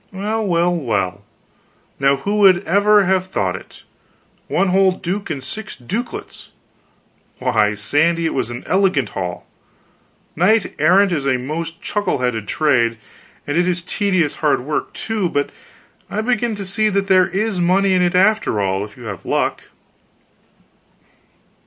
"Well, well, well, now who would ever have thought it? One whole duke and six dukelets; why, Sandy, it was an elegant haul. Knight errantry is a most chuckle headed trade, and it is tedious hard work, too, but I begin to see that there is money in it, after all, if you have luck.